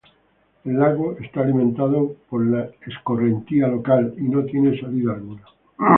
El lago es alimentado por la escorrentía local, y no tiene salida alguna.